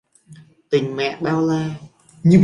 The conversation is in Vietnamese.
Tình mẹ bao la